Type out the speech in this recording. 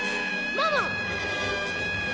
ママ！